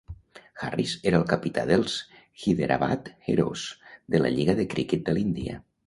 Harris era el capità dels Hyderabad Heroes de la lliga de cricket de l'Índia.